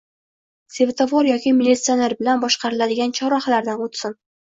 Svetofor yoki militsioner bilan boshqariladigan chorrahalardan o'tsin.